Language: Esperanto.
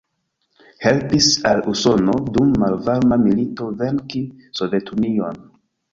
Helpis al Usono dum malvarma milito venki Sovetunion.